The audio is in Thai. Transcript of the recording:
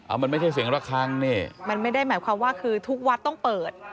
มันไม่ใช่เสียงระคังนี่มันไม่ได้หมายความว่าคือทุกวัดต้องเปิด